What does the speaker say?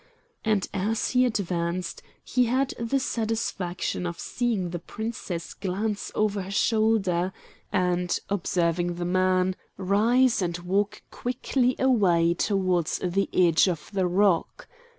And as he advanced he had the satisfaction of seeing the Princess glance over her shoulder, and, observing the man, rise and walk quickly away towards the edge of the rock.